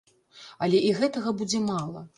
Але і гэтага будзе мала.